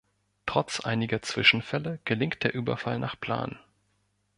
Trotz einiger Zwischenfälle gelingt der Überfall nach Plan.